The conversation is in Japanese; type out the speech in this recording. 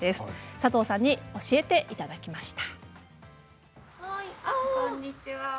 佐藤さんに教えていただきました。